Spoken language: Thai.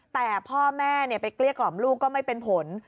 แต่พ่อแม่ไปเกลี้ยกล่อมลูกก็ไม่เป็นผล